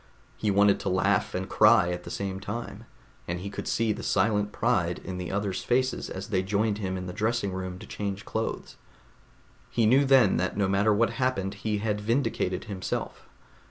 He wanted to laugh and cry at the same time, and he could see the silent pride in the others' faces as they joined him in the dressing room to change clothes. He knew then that no matter what happened he had vindicated himself.